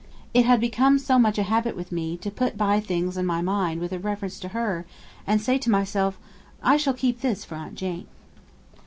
It had become so much a habit with me to put by things in my mind with a reference to her, and to say to myself, I shall keep this for aunt Jane.'